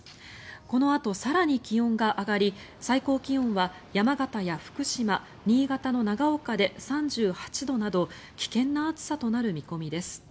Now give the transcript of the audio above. このあと、更に気温が上がり最高気温は山形や福島新潟の長岡で３８度など危険な暑さとなる見込みです。